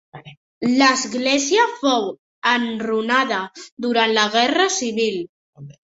L'església fou enrunada durant la Guerra Civil.